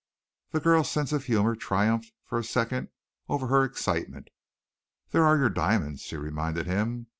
The girl's sense of humor triumphed for a second over her excitement. "There are your diamonds," she reminded him.